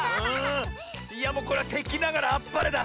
いやもうこれはてきながらあっぱれだ。